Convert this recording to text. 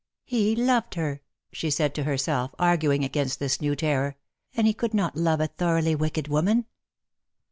"He loved her/^ she said to herself, arguing against this new terror, " and he could not love a thoroughly wicked woman."